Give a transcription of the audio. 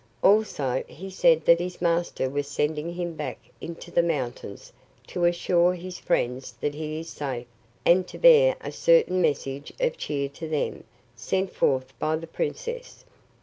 Also, he said that his master was sending him back into the mountains to assure his friends that he is safe and to bear a certain message of cheer to them, sent forth by the princess.